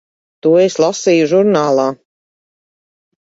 To es lasīju žurnālā.